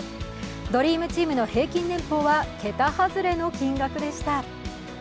ドリームチームの平均年俸は桁外れの金額でした。